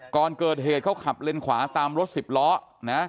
ก่อนเกิดเหตุเขาขับเลนขวาตามรถสิบล้อนะ